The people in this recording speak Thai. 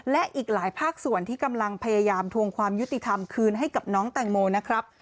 และอีกหลายภาคส่วนที่กำลังพยายามทวงความยุติธรรมคืนให้กับน้องแตงโมนะครับ